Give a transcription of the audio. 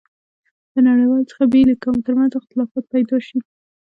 له نړیوالو څخه بېل یو، که مو ترمنځ اختلافات پيدا شي.